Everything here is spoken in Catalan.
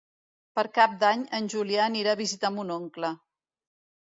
Per Cap d'Any en Julià anirà a visitar mon oncle.